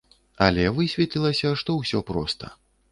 Але высветлілася, што ўсё проста.